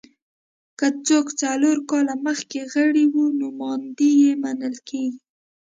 که څوک څلور کاله مخکې غړي وو نوماندي یې منل کېږي